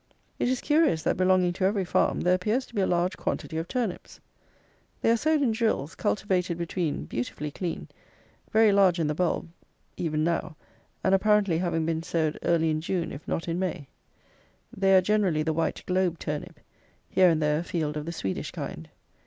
It is curious, that, belonging to every farm, there appears to be a large quantity of turnips. They are sowed in drills, cultivated between, beautifully clean, very large in the bulb, even now, and apparently having been sowed early in June, if not in May. They are generally the white globe turnip, here and there a field of the Swedish kind.